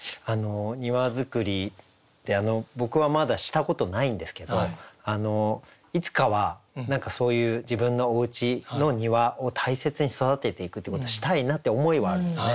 庭造りって僕はまだしたことないんですけどいつかは何かそういう自分のおうちの庭を大切に育てていくってことしたいなって思いはあるんですね。